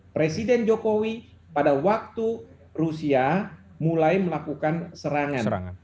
presiden jokowi pada waktu rusia mulai melakukan serangan